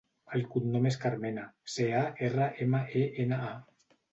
El cognom és Carmena: ce, a, erra, ema, e, ena, a.